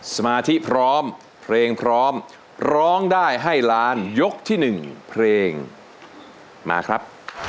สมาธิพร้อมเพลงพร้อมร้องได้ให้ล้านยกที่๑เพลงมาครับ